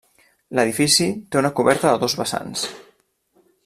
L'edifici té una coberta de dos vessants.